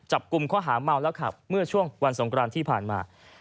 จับกุมเขาหาม่าวแล้วครับเมื่อช่วงวันสงครรณที่ผ่านมา